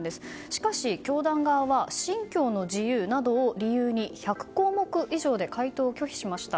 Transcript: しかし、教団側は信教の自由などを理由に１００項目以上で回答を拒否しました。